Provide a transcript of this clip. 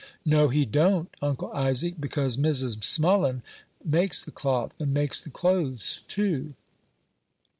"No, he don't, Uncle Isaac; because Mrs. Smullen makes the cloth, and makes the clothes, too."